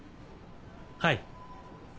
はい。